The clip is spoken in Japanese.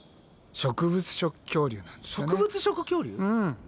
うん。